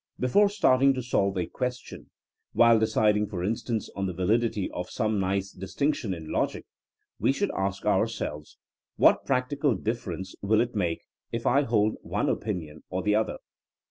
Before starting to solve a question — ^while deciding, for instance, on the validity of some nice distinction in logic — ^we should ask ourselves, What practical difference will it make if I hold one opinion or the other!